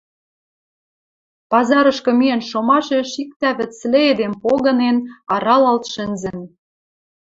Пазарышкы миэн шомашеш иктӓ вӹцлӹ эдем погынен, аралалт шӹнзӹн